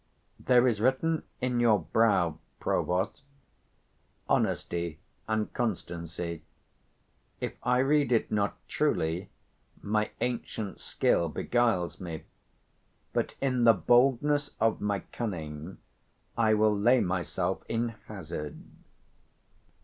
There is written in your brow, provost, honesty and constancy: if I read it not truly, my ancient skill beguiles me; but, in the boldness of my cunning, I will lay my self in hazard.